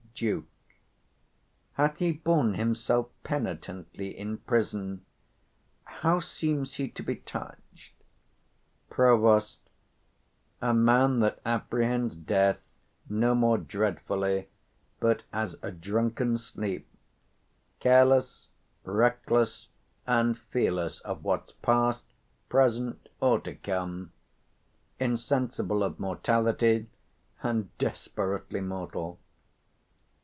Duke. Hath he borne himself penitently in prison? how seems he to be touched? Prov. A man that apprehends death no more dreadfully 135 but as a drunken sleep; careless, reckless, and fearless of what's past, present, or to come; insensible of mortality, and desperately mortal.